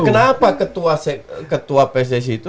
kenapa ketua pcsi itu